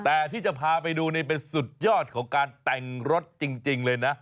แต่ที่จะพาไปดูนี่เป็นสุดยอดของการแต่งรถจริงเลยนะ